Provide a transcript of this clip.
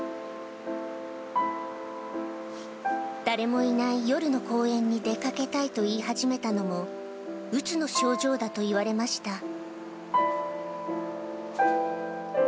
誰もいない夜の公園に出かけたいと言い始めたのも、うつの症状だと言われました。